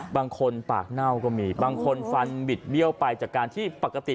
บางคนปากเน่าก็มีบางคนฟันบิดเบี้ยวไปจากการที่ปกติ